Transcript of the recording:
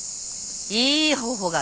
いい方法がある。